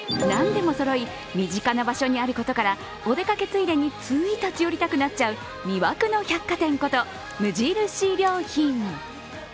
なんでもそろい、身近な場所にあることから、お出かけついでについ立ち寄りたくなっちゃう魅惑の百貨店こと無印良品。